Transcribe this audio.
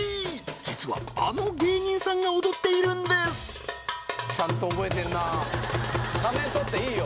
実はあの芸人さんが踊っているんですちゃんと覚えてんな仮面取っていいよ